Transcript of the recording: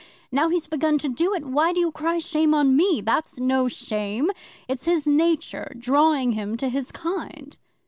"Now he's begun to do it, why do you cry shame on me? That's no shame. It's his nature drawing him to his kind."